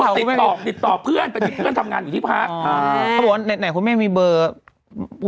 ไม่ได้ติดต่อเพื่อนเป็นเพื่อนทำงานอยู่ที่พรรค